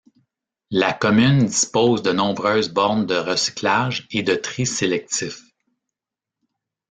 La commune dispose de nombreuses bornes de recyclages et de tri sélectif.